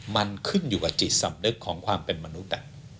มันขึ้นอยู่กับจิตสำนึกของความเป็นมนุษย์